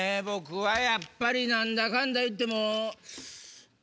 僕はやっぱりなんだかんだ言っても。